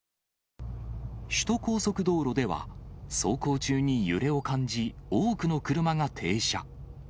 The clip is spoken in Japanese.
首都高速道路では、走行中に揺れを感じ、多くの車が停車。